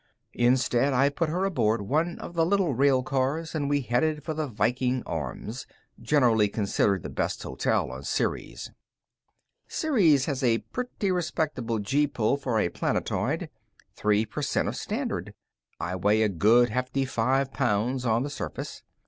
Instead, I put her aboard one of the little rail cars, and we headed for the Viking Arms, generally considered the best hotel on Ceres. Ceres has a pretty respectable gee pull for a planetoid: Three per cent of Standard. I weigh a good, hefty five pounds on the surface.